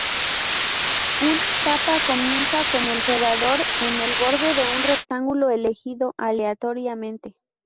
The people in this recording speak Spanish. Una etapa comienza con el jugador en el borde de un rectángulo elegido aleatoriamente.